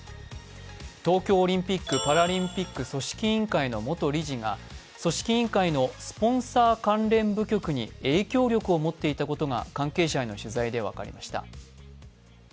東京オリンピック・パラリンピック組織委員会の元理事が組織委員会のスポンサー関連部局に影響力を持っていたことが関係者への取材で分かりました。